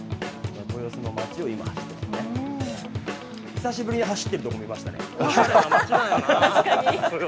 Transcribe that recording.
久しぶりに走ってるところ見ましたね。